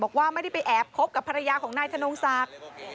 บอกว่าไม่ได้ไปแอบคบกับภรรยาของนายธนงศักดิ์